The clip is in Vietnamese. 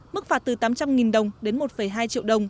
mức phạt từ tám trăm linh đồng đến một hai triệu đồng